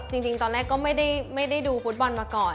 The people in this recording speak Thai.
จริงตอนแรกก็ไม่ได้ดูฟุตบอลมาก่อน